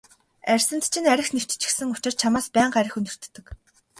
Арьсанд чинь архи нэвччихсэн учир чамаас байнга архи үнэртдэг.